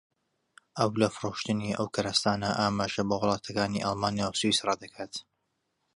ئەو لە فرۆشتنی ئەو کەرستانە ئاماژە بە وڵاتەکانی ئەڵمانیا و سویسڕا دەکات